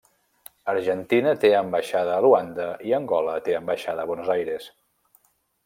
Argentina té ambaixada a Luanda i Angola té ambaixada a Buenos Aires.